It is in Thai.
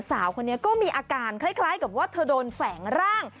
สาวคนนี้ก็มีอาการคล้ายกับว่าเธอโดนแฝงร่าง